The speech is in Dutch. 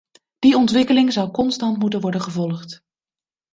Die ontwikkeling zou constant moeten worden gevolgd.